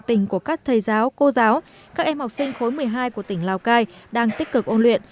tình của các thầy giáo cô giáo các em học sinh khối một mươi hai của tỉnh lào cai đang tích cực ôn luyện